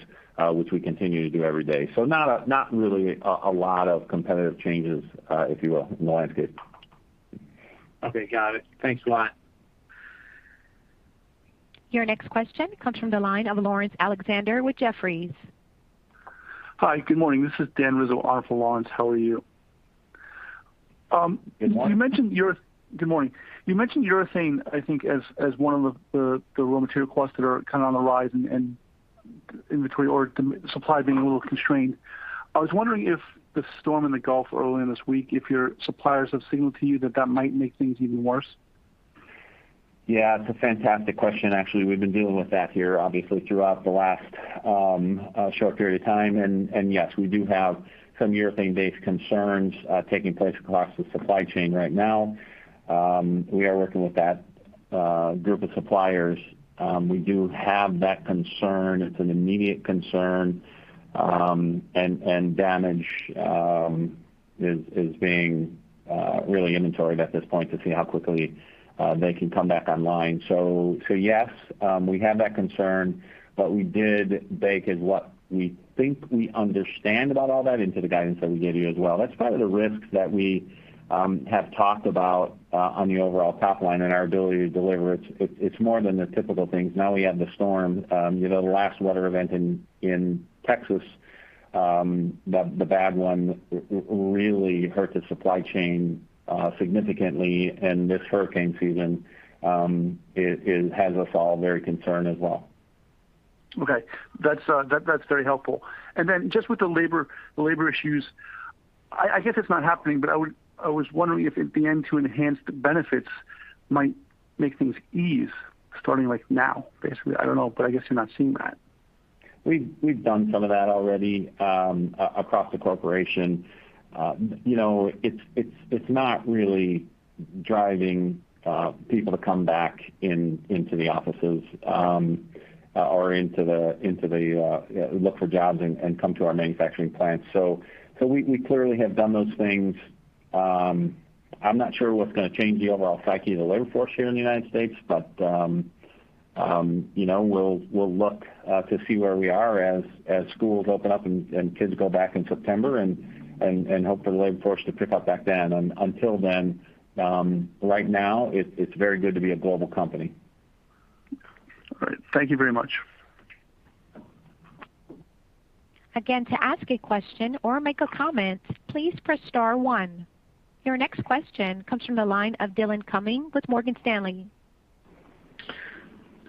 which we continue to do every day. Not really a lot of competitive changes, if you will, in the landscape. Okay, got it. Thanks a lot. Your next question comes from the line of Laurence Alexander with Jefferies. Hi, good morning. This is Daniel Rizzo on for Laurence. How are you? Good morning. Good morning. You mentioned urethane, I think, as one of the raw material costs that are on the rise and inventory or the supply being a little constrained. I was wondering if the storm in the Gulf earlier this week, if your suppliers have signaled to you that that might make things even worse? It's a fantastic question. Actually, we've been dealing with that here, obviously, throughout the last short period of time. Yes, we do have some urethane-based concerns taking place across the supply chain right now. We are working with that group of suppliers. We do have that concern. It's an immediate concern, and damage is being really inventoried at this point to see how quickly they can come back online. Yes, we have that concern, but we did bake what we think we understand about all that into the guidance that we gave you as well. That's part of the risks that we have talked about on the overall top line and our ability to deliver. It's more than the typical things. Now we add the storm. The last weather event in Texas, the bad one, really hurt the supply chain significantly. This hurricane season has us all very concerned as well. Okay. That's very helpful. Just with the labor issues, I guess it's not happening, but I was wondering if at the end, to enhance the benefits might make things ease starting like now, basically. I don't know, I guess you're not seeing that. We've done some of that already across the corporation. It's not really driving people to come back into the offices or look for jobs and come to our manufacturing plants. We clearly have done those things. I'm not sure what's going to change the overall psyche of the labor force here in the United States. We'll look to see where we are as schools open up and kids go back in September and hope for the labor force to pick up back then. Until then, right now, it's very good to be a global company. All right. Thank you very much. Again, to ask a question or make a comment, please press star one. Your next question comes from the line of Dillon Cumming with Morgan Stanley.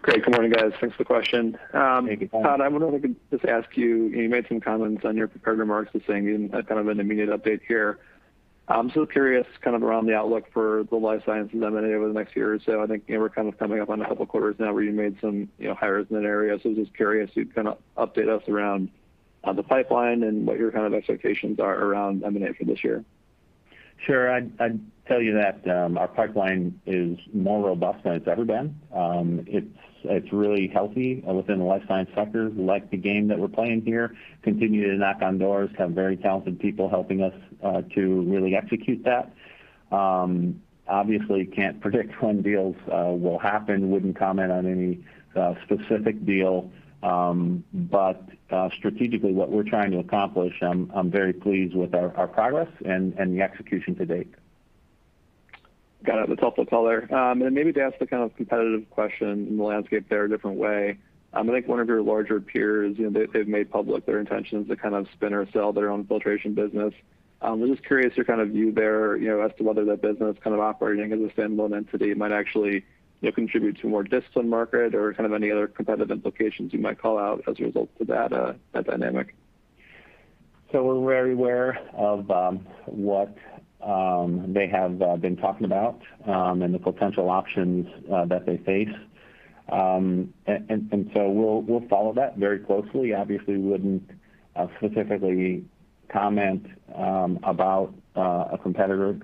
Great. Good morning, guys. Thanks for the question. Hey, Dillon. Tod, I wanted to just ask you made some comments on your prepared remarks just saying you need a kind of an immediate update here. Curious kind of around the outlook for the life sciences M&A over the next year or so. I think we're kind of coming up on a couple quarters now where you made some hires in that area. I was just curious, you'd kind of update us around the pipeline and what your kind of expectations are around M&A for this year. Sure. I'd tell you that our pipeline is more robust than it's ever been. It's really healthy within the life science sector. We like the game that we're playing here, continue to knock on doors, have very talented people helping us to really execute that. Obviously, can't predict when deals will happen. Wouldn't comment on any specific deal. Strategically, what we're trying to accomplish, I'm very pleased with our progress and the execution to date. Got it. That's helpful color. Maybe to ask the kind of competitive question in the landscape there a different way. I think one of your larger peers, they've made public their intentions to kind of spin or sell their own filtration business. I'm just curious your view there, as to whether that business kind of operating as a standalone entity might actually contribute to more discipline market or kind of any other competitive implications you might call out as a result of that dynamic. We're very aware of what they have been talking about, and the potential options that they face. We'll follow that very closely. Obviously wouldn't specifically comment about a competitor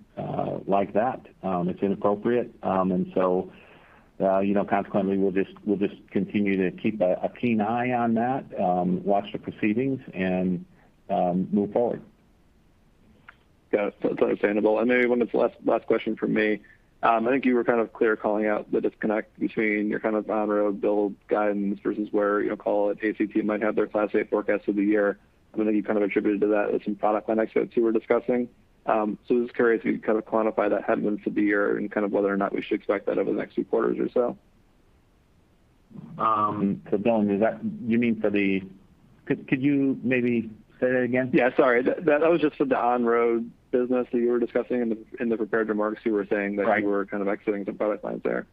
like that. It's inappropriate. Consequently, we'll just continue to keep a keen eye on that, watch the proceedings and move forward. Got it. That's understandable. Maybe one last question from me. I think you were kind of clear calling out the disconnect between your kind of on-road build guidance versus where, call it ACT Research might have their Class 8 forecast for the year. Then you kind of attributed to that as some product line exits you were discussing. I was just curious if you could kind of quantify that headwind for the year and kind of whether or not we should expect that over the next few quarters or so. Dillon, you mean Could you maybe say that again? Yeah, sorry. That was just for the on-road business that you were discussing in the prepared remarks. Right. You were kind of exiting some product lines there.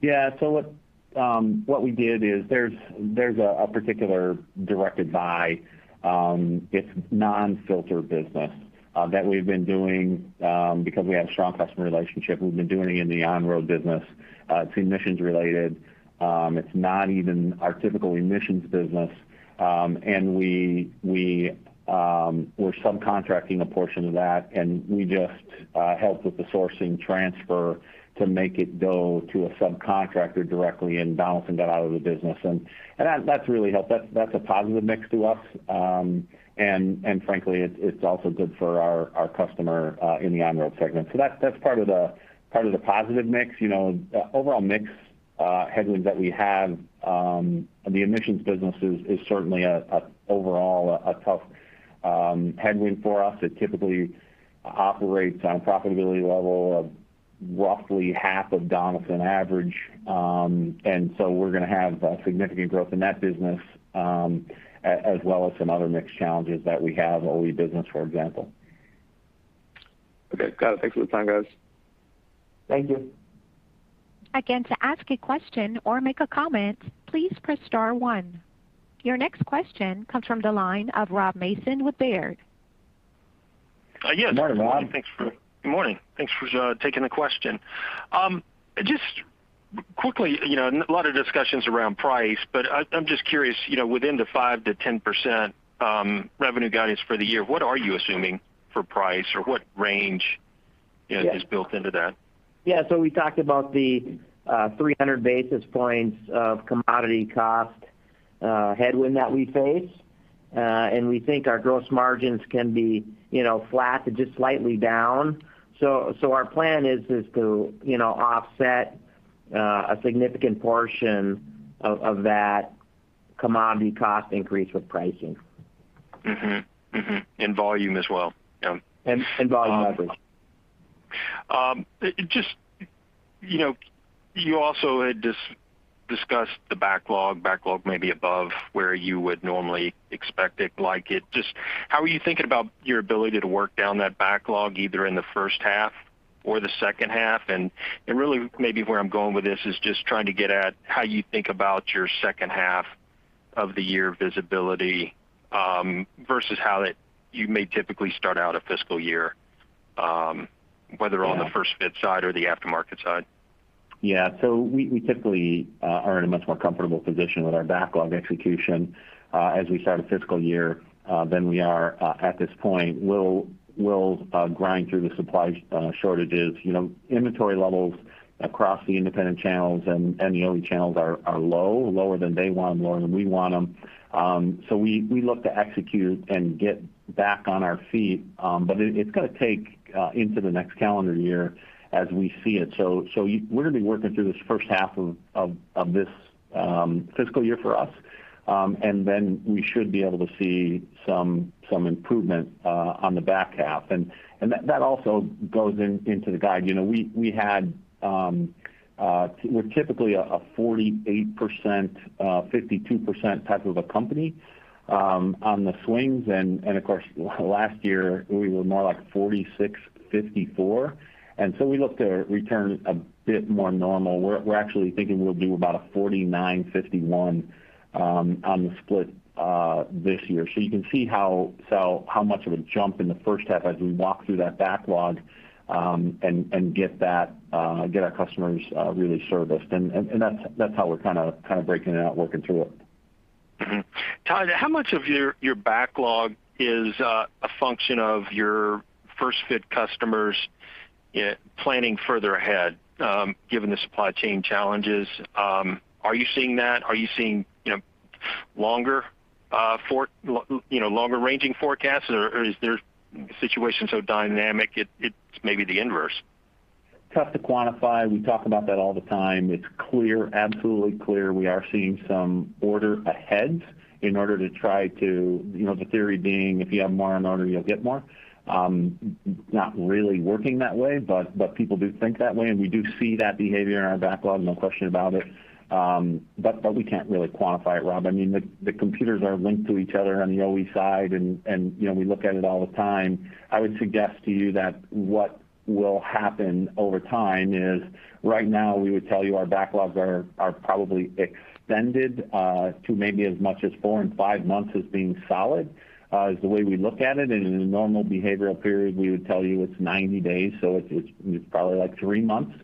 Yeah. What we did is there's a particular directed buy. It's non-filtered business that we've been doing because we have a strong customer relationship, we've been doing it in the on-road business. It's emissions related. It's not even our typical emissions business. We're subcontracting a portion of that, and we just help with the sourcing transfer to make it go to a subcontractor directly and Donaldson got out of the business and that's really helped. That's a positive mix to us. Frankly, it's also good for our customer, in the on-road segment. That's part of the positive mix. Overall mix headwind that we have, the emissions business is certainly overall a tough headwind for us. It typically operates on profitability level of roughly half of Donaldson average. We're gonna have significant growth in that business, as well as some other mix challenges that we have, OE business, for example. Okay. Got it. Thanks for the time, guys. Thank you. Again, to ask a question or make a comment, please press star one. Your next question comes from the line of Rob Mason with Baird. Morning, Rob. Good morning. Thanks for taking the question. Just quickly, a lot of discussions around price. I'm just curious, within the 5%-10% revenue guidance for the year, what are you assuming for price or what range is built into that? Yeah. We talked about the 300 basis points of commodity cost headwind that we face. We think our gross margins can be flat to just slightly down. Our plan is to offset a significant portion of that commodity cost increase with pricing. Mm-hmm. Volume as well? Yeah. Volume leverage. You also had discussed the backlog maybe above where you would normally expect it. How are you thinking about your ability to work down that backlog, either in the first half or the second half? Really maybe where I'm going with this is just trying to get at how you think about your second half of the year visibility, versus how you may typically start out a fiscal year, whether on the first-fit side or the aftermarket side. Yeah. We typically are in a much more comfortable position with our backlog execution as we start a fiscal year than we are at this point. We'll grind through the supply shortages. Inventory levels across the independent channels and the OE channels are low, lower than they want them, lower than we want them. We look to execute and get back on our feet. It's going to take into the next calendar year as we see it. We're going to be working through this first half of this fiscal year for us. We should be able to see some improvement on the back half. That also goes into the guide. We're typically a 48%-52% type of a company on the swings and of course last year we were more like 46%-54% and so we look to return a bit more normal. We're actually thinking we'll do about a 49/51 on the split this year. You can see how much of a jump in the first half as we walk through that backlog, and get our customers really serviced and that's how we're kind of breaking it out, working through it. Tod, how much of your backlog is a function of your first-fit customers planning further ahead given the supply chain challenges? Are you seeing that? Are you seeing longer-ranging forecasts? Or is their situation so dynamic it's maybe the inverse? It's tough to quantify. We talk about that all the time. It's absolutely clear we are seeing some order ahead. The theory being if you have more on order, you'll get more. It's not really working that way, but people do think that way, and we do see that behavior in our backlog, no question about it. We can't really quantify it, Rob. The computers are linked to each other on the OE side, and we look at it all the time. I would suggest to you that what will happen over time is right now we would tell you our backlogs are probably extended to maybe as much as four and five months as being solid. It's the way we look at it. In a normal behavioral period, we would tell you it's 90 days, so it's probably like three months.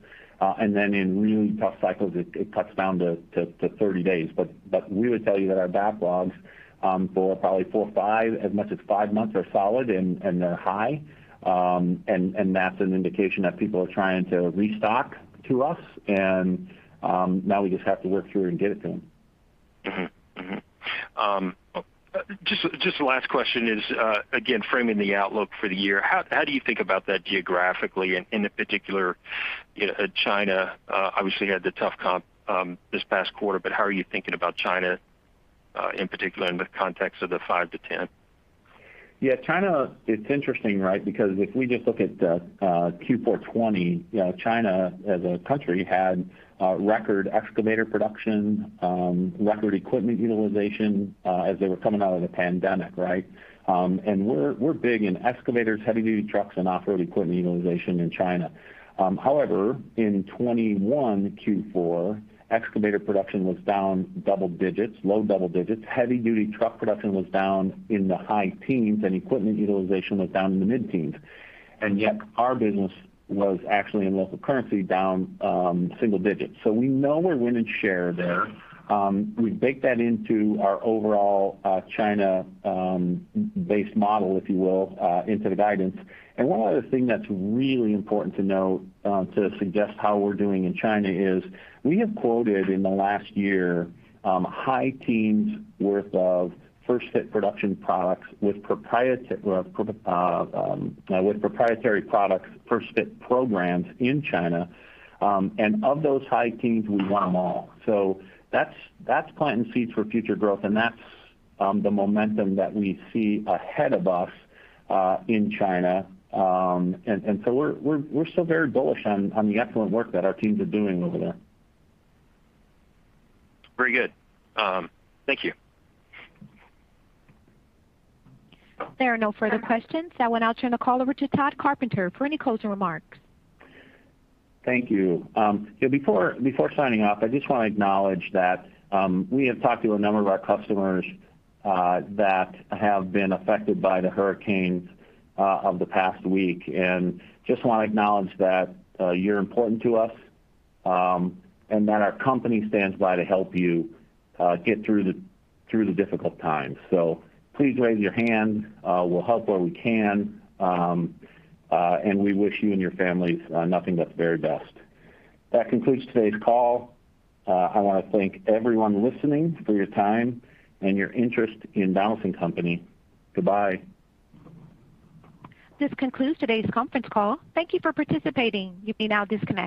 In really tough cycles, it cuts down to 30 days. We would tell you that our backlogs for probably four or five, as much as five months are solid and they're high. That's an indication that people are trying to restock to us, and now we just have to work through and get it to them. Mm-hmm. Just the last question is, again, framing the outlook for the year. How do you think about that geographically and in particular China obviously had the tough comp this past quarter, but how are you thinking about China in particular in the context of the 5-10? Yeah, China, it's interesting, right? Because if we just look at Q4 2020, China as a country had record excavator production, record equipment utilization as they were coming out of the pandemic, right? We're big in excavators, heavy-duty trucks, and off-road equipment utilization in China. However, in 2021 Q4, excavator production was down double digits, low double digits. Heavy-duty truck production was down in the high teens, and equipment utilization was down in the mid-teens. Yet our business was actually in local currency down single digits. We know we're winning share there. We bake that into our overall China-based model, if you will, into the guidance. One other thing that's really important to note to suggest how we're doing in China is we have quoted in the last year high teens worth of first-fit production products with proprietary products first-fit programs in China. Of those high teens, we won them all. That's planting seeds for future growth, and that's the momentum that we see ahead of us in China. We're still very bullish on the excellent work that our teams are doing over there. Very good. Thank you. There are no further questions. I will now turn the call over to Tod Carpenter for any closing remarks. Thank you. Before signing off, I just want to acknowledge that we have talked to a number of our customers that have been affected by the hurricanes of the past week, and just want to acknowledge that you're important to us, and that our company stands by to help you get through the difficult times. Please raise your hand. We'll help where we can, and we wish you and your families nothing but the very best. That concludes today's call. I want to thank everyone listening for your time and your interest in Donaldson Company. Goodbye. This concludes today's conference call. Thank you for participating. You may now disconnect.